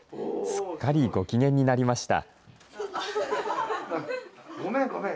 すっかりご機嫌になりました。